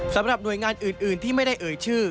สำหรับหน่วยงานอื่นที่ไม่ได้เอ่ยชื่อ